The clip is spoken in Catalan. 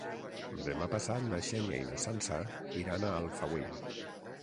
Demà passat na Xènia i na Sança iran a Alfauir.